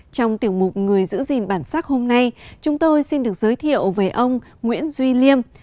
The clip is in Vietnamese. trong tiểu mục người giữ gìn bản sắc hôm nay chúng tôi xin được giới thiệu về ông nguyễn duy liêm